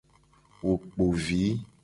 Wo kpo vi.